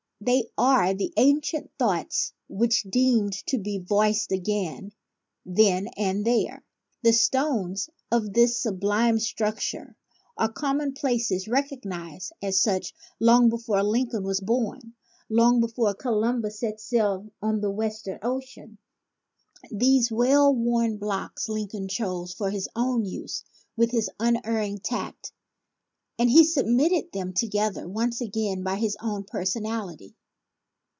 They are the ancient thoughts which demanded to be voiced again, then and there. The stones of this sublime structure are commonplaces, recog nized as such long before Lincoln was born, long before Columbus set sail on the Western Ocean. These well worn blocks Lincoln chose for his own use with his unerring tact; and he cemented them together once again by his own personality.